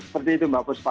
seperti itu mbak pusma